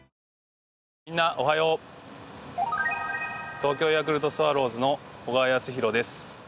東京ヤクルトスワローズの小川泰弘です。